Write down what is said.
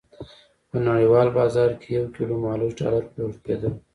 په نړیوال بازار کې یو کیلو مالوچ ډالر پلورل کېدل.